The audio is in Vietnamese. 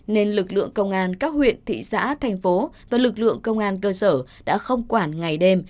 nên lực lượng công an các huyện thị xã thành phố và lực lượng công an cơ sở đã không quản ngày đêm